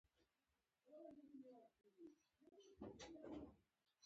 دې ارزښت ته مطلق اضافي ارزښت ویل کېږي